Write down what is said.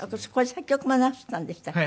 作曲もなすったんでしたっけ？